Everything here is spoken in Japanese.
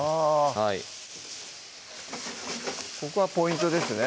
はいここがポイントですね